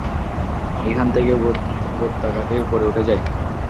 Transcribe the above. এখান থেকে উপত্যকাটি উপরে উঠে যায়।